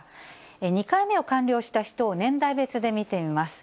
２回目を完了した人を年代別で見てみます。